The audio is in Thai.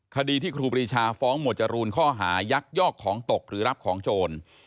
คดีที่ครูปรีชาฟ้องหมวดจรูนข้อหายักยอกของตกหรือรับของโจร